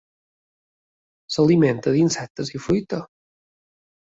S'alimenta d'insectes i fruita.